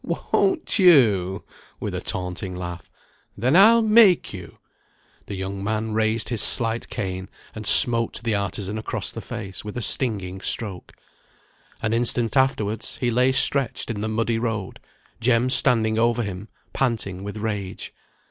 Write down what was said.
"Won't you?" (with a taunting laugh), "then I'll make you." The young man raised his slight cane, and smote the artisan across the face with a stinging stroke. An instant afterwards he lay stretched in the muddy road, Jem standing over him, panting with rage.